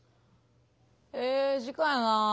ええ時間やな。